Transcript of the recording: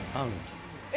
え？